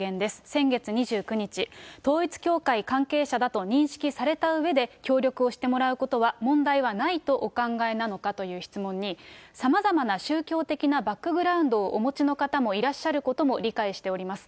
先月２９日、統一教会関係者だと認識されたうえで、協力をしてもらうことは問題はないとお考えなのかという質問に、さまざまな宗教的なバックグラウンドをお持ちの方もいらっしゃることも理解しております。